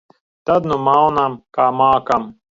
Tad nu maunam, kā mākam.